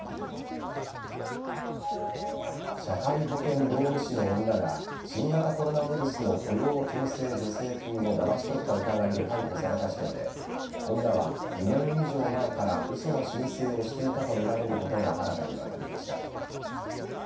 社会保険労務士の女が新型コロナウイルスの雇用調整助成金をだまし取った疑いで逮捕された事件で女は２年以上前から嘘の申請をしていたとみられることが新たに分かりました。